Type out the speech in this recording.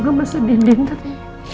mama sedih sedihin tadi